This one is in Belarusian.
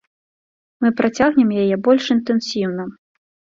Мы працягнем яе больш інтэнсіўна.